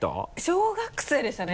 小学生でしたね。